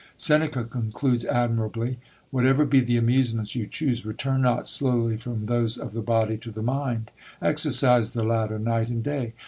Seneca concludes admirably, "whatever be the amusements you choose, return not slowly from those of the body to the mind; exercise the latter night and day.